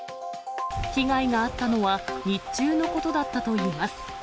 被害があったのは、日中のことだったといいます。